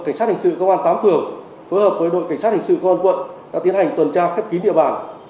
cảnh sát hình sự công an tám phường phối hợp với đội cảnh sát hình sự công an quận đã tiến hành tuần tra khép kín địa bàn